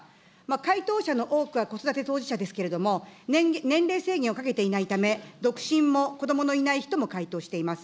回答者の多くは子育て当事者ですけれども、年齢制限をかけていないため、独身も、子どものいない人も回答しています。